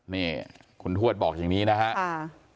นี่คุณทวดบอกอย่างนี้นะครับ